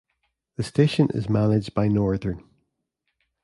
The station is managed by Northern.